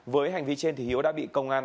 với hành vi trên thì hiếu đã bị công an